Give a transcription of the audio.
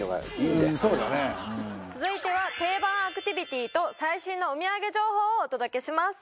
うん続いては定番アクティビティと最新のお土産情報をお届けします